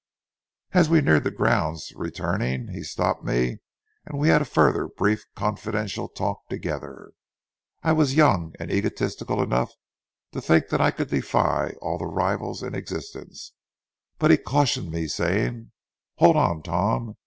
As we neared the grounds returning, he stopped me and we had a further brief confidential talk together. I was young and egotistical enough to think that I could defy all the rivals in existence, but he cautioned me, saying: "Hold on, Tom.